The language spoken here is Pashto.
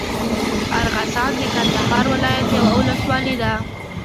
ارغسان د کندهار ولايت یوه اولسوالي ده.